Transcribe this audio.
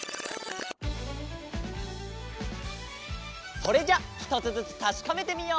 それじゃあひとつずつたしかめてみよう！